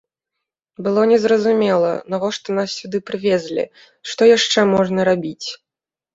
Было незразумела, навошта нас сюды прывезлі, што яшчэ можна рабіць.